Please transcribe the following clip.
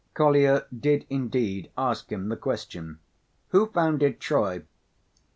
Kolya did indeed ask him the question, "Who founded Troy?"